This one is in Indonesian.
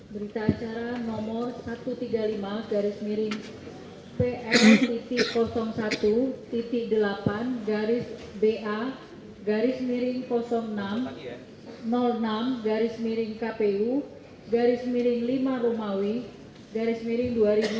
berita acara nomor satu ratus tiga puluh lima garis miring pm satu delapan garis ba garis miring enam garis miring kpu garis miring lima rumawi garis miring dua ribu dua puluh